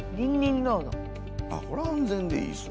これは安全でいいですね。